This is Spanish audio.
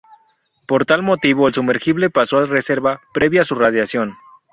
Por tal motivo, el sumergible pasó a reserva, previa su radiación.